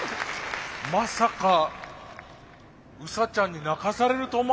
まさかウサちゃんに泣かされると思わなかったな。